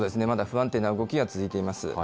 まだ不安定な動きが続いています。